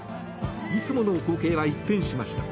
いつもの光景は一変しました。